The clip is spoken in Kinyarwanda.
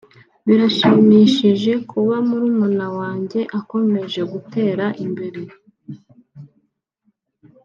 “Birashimishije kuba murumuna wanjye akomeje gutera imbere